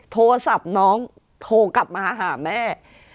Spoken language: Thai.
โทรศัพท์น้องโทรกลับมาหาแม่